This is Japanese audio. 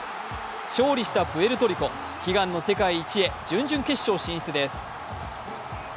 勝利したプエルトリコ、悲願の世界一へ、準々決勝進出です。